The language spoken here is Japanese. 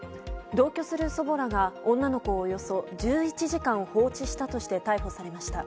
同居する祖母らが女の子をおよそ１１時間放置したとして逮捕されました。